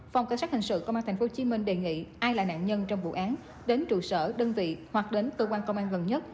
phòng cảnh sát hình sự công an tp hcm đề nghị ai là nạn nhân trong vụ án đến trụ sở đơn vị hoặc đến cơ quan công an gần nhất